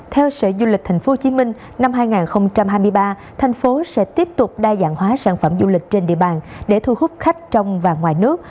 theo sở du lịch tp hcm năm hai nghìn hai mươi ba thành phố sẽ tiếp tục đa dạng hóa sản phẩm du lịch trên địa bàn để thu hút khách trong và ngoài nước